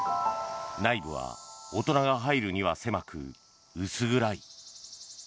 内部は大人が入るには狭く薄暗い。